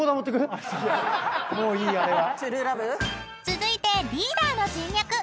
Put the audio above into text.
［続いてリーダーの人脈。